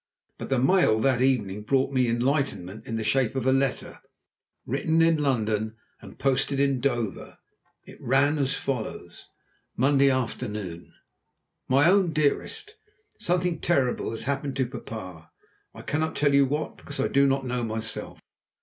But the mail that evening brought me enlightenment in the shape of a letter, written in London and posted in Dover. It ran as follows: "MONDAY AFTERNOON. "MY OWN DEAREST. Something terrible has happened to papa! I cannot tell you what, because I do not know myself.